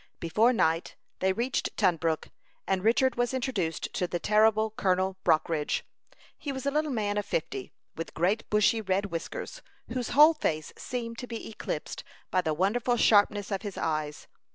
Before night they reached Tunbrook, and Richard was introduced to the terrible Colonel Brockridge. He was a little man of fifty, with great bushy red whiskers, whose whole face seemed to be eclipsed by the wonderful sharpness of his eyes.